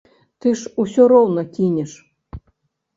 Ты ж усё роўна кінеш.